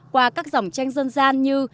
qua các dòng tranh dân gian như